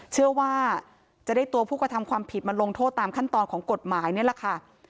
เชื่อว่าจะได้ตัวผู้กระทำความผิดมาลงโทษตามขั้นตอนของกฎหมายนี่แหละค่ะ